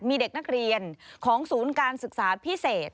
มีเด็กนักเรียนของศูนย์การศึกษาพิเศษ